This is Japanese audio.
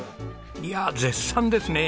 いやあ絶賛ですね。